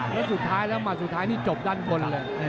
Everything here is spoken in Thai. แล้วสุดท้ายแล้วมาสุดท้ายนี่จบด้านบนเลย